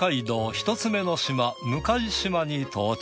１つ目の島向島に到着。